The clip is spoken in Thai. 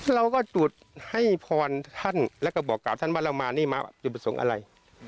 เราก็จุดให้พรท่านแล้วก็บอกกล่าวท่านว่าเรามานี่มาจุดประสงค์อะไร